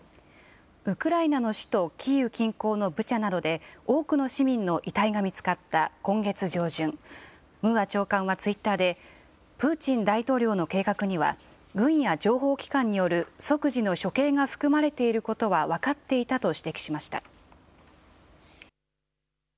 ウクライナの首都キーウ近郊のブチャなどで多くの市民の遺体が見つかった今月上旬、ムーア長官はツイッターでプーチン大統領の計画には軍や情報機関による即時の処刑が含まれていることは分かっていたと指摘しました。